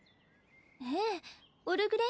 ええオルグレン